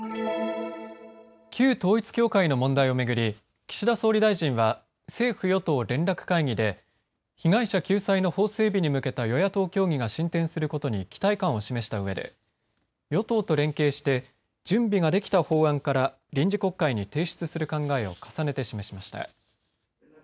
旧統一教会の問題を巡り岸田総理大臣は政府与党連絡会議で被害者救済の法整備に向けた与野党協議が進展することに期待感を示したうえで与党と連携して準備ができた法案から臨時国会に提出する考えを重ねて示しました。